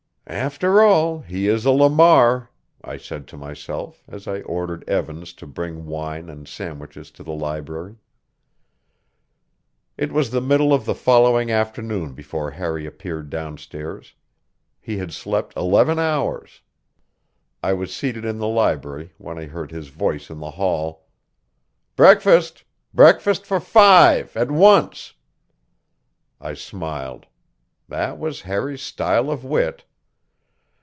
"After all, he is a Lamar," I said to myself as I ordered Evans to bring wine and sandwiches to the library. It was the middle of the following afternoon before Harry appeared down stairs. He had slept eleven hours. I was seated in the library when I heard his voice in the hall: "Breakfast! Breakfast for five at once!" I smiled. That was Harry's style of wit.